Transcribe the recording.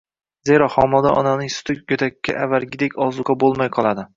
Zero, homilador onaning suti go‘dakka avvalgidek ozuqa bo‘lmay qoladi.